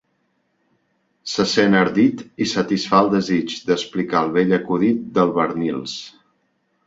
Se sent ardit i satisfà el desig d'explicar el vell acudit del Barnils.